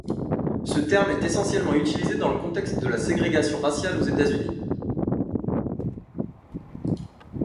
Ce terme est essentiellement utilisé dans le contexte de la ségrégation raciale aux États-Unis.